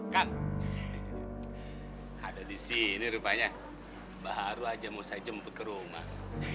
kan ada di sini rupanya baru aja mau saya jemput ke rumah